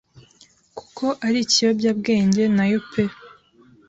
kuko ari ikiyobyabwenge nayo pe.